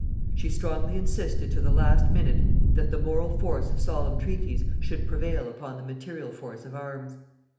She strongly insisted to the last minute that the moral force of solemn treaties should prevail upon the material force of arms.